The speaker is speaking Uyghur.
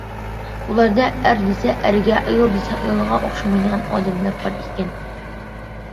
بۇلاردا ئەر دېسە ئەرگە، ئايال دېسە ئايالغا ئوخشىمايدىغان ئادەملەر بار ئىكەن.